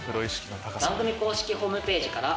番組公式ホームページから。